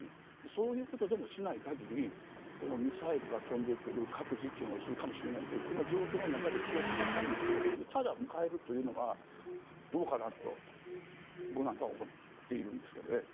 そういうことでもしない限りこのミサイルが飛んでくる核実験をするかもしれないというこの状況の中で広島サミットをただ迎えるというのはどうかなと僕なんかは思っているんですけどね。